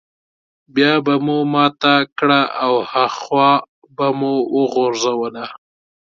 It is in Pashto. بيا به مو ماته کړه او هاخوا به مو وغورځوله.